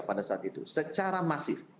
pada saat itu secara masif